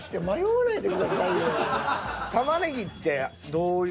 玉ネギってどういう。